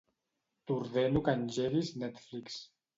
T'ordeno que engeguis Netflix.